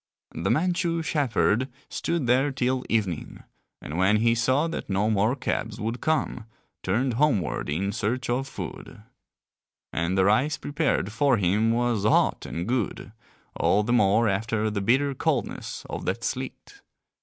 The Manchu shepherd stood there till evening, and when he saw that no more cabs would come, turned homeward in search of food. And the rice prepared for him was hot and good, all the more after the bitter coldness of that sleet.